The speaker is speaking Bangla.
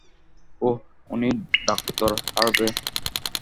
ওহ, উনি ডাঃ হারভে।